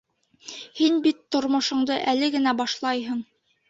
Һин бит тормошоңдо әле генә башлайһың.